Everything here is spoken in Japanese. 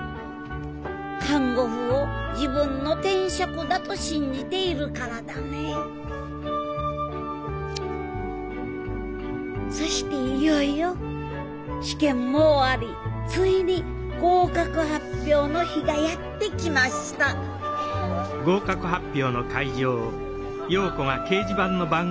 看護婦を自分の天職だと信じているからだねぇそしていよいよ試験も終わりついに合格発表の日がやってきましたあっ！